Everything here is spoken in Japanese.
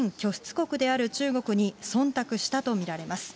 国である中国にそんたくしたと見られます。